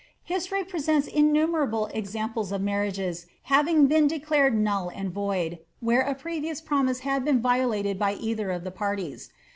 Histoiy presents innumerable examples of marriages having been declared null and void, where a previous promise had been violated by either of the parties.